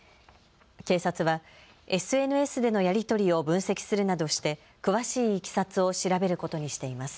警察はＳＮＳでのやり取りを分析するなどして詳しいいきさつを調べることにしています。